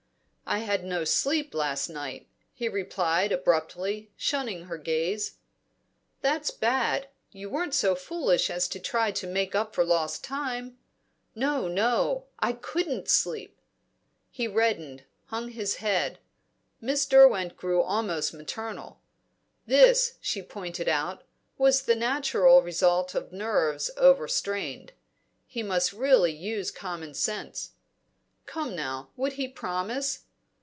"I had no sleep last night," he replied abruptly, shunning her gaze. "That's bad. You weren't so foolish as to try to make up for lost time?" "No, no! I couldn't sleep." He reddened, hung his head. Miss Derwent grew almost maternal. This, she pointed out, was the natural result of nerves overstrained. He must really use common sense. Come now, would he promise?